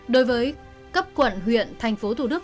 đối với cấp quận huyện tp thủ đức